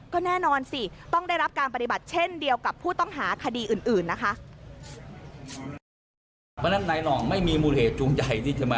ก็แน่นอนสิต้องได้รับการปฏิบัติเช่นเดียวกับผู้ต้องหาคดีอื่นนะคะ